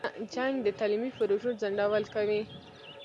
جنګ د تعلیمي پروژو ځنډول کوي.